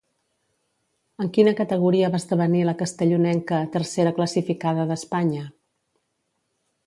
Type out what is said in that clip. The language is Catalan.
En quina categoria va esdevenir la castellonenca tercera classificada d'Espanya?